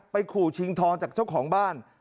ขู่ชิงทองจากเจ้าของบ้าน